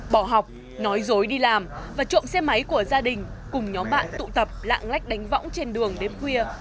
bỏ học nói dối đi làm và trộm xe máy của gia đình cùng nhóm bạn tụ tập lạng lách đánh võng trên đường đến khuya